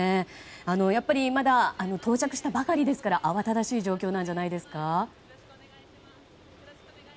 やっぱりまだ到着したばかりですから慌ただしい状況じゃないでしょうか。